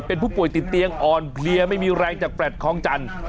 เป็นผู้ป่วยติดเตียงอ่อนเพลียไม่มีแรงจากแฟลตคลองจันทร์